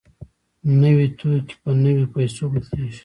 نوي توکي په نویو پیسو بدلېږي